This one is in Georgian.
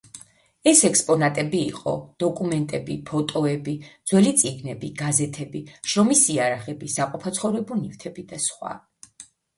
ეს ექსპონატები იყო: დოკუმენტები, ფოტოები, ძველი წიგნები, გაზეთები, შრომის იარაღები, საყოფაცხოვრებო ნივთები და სხვა.